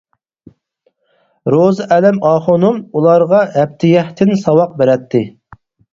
روزى ئەلەم ئاخۇنۇم ئۇلارغا ھەپتىيەكتىن ساۋاق بېرەتتى.